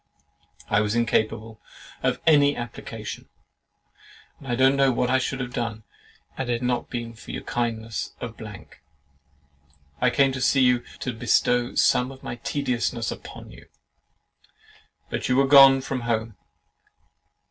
I was incapable of any application, and don't know what I should have done, had it not been for the kindness of ——. I came to see you, to "bestow some of my tediousness upon you," but you were gone from home.